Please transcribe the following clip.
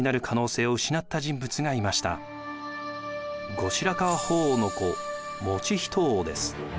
後白河法皇の子以仁王です。